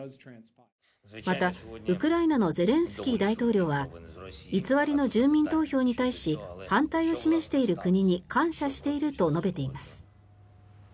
また、ウクライナのゼレンスキー大統領は偽りの住民投票に対し反対を示している国に感謝していると述べています。